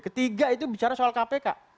ketiga itu bicara soal kpk